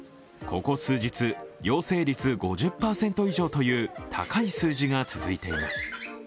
ここ数日、陽性率５０％以上という高い数字が続いています。